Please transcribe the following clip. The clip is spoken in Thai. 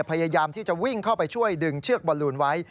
พยายามที่จะวิ่งเข้าไปช่วยดึงเชือกบอลลูนไว้